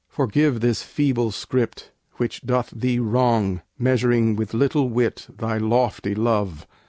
Forgive this feeble script which doth Thee wrong Measuring with little wit Thy lofty Love.